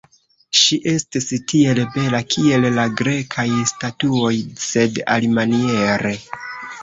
Ŝi estis tiel bela, kiel la Grekaj statuoj, sed alimaniere.